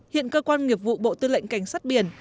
hiện cơ quan nghiệp vụ bộ tư lệnh cảnh sát biển